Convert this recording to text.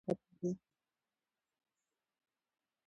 افغانستان د خپلو بارانونو له امله په نړۍ کې شهرت لري.